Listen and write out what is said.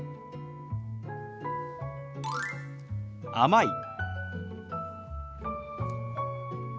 「甘い」。